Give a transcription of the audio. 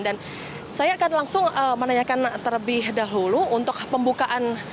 dan saya akan langsung menanyakan terlebih dahulu untuk pembukaan